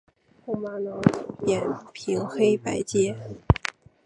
红玛瑙有扁平黑白阶。